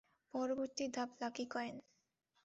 পরবর্তী ধাপ, lucky coin.